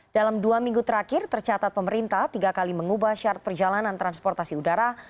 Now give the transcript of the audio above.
dalam dua minggu terakhir tercatat pemerintah tiga kali mengubah syarat perjalanan transportasi udara